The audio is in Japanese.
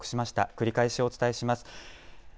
繰り返しお伝えします。